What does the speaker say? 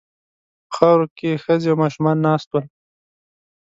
په خاورو کې ښځې او ماشومان ناست ول.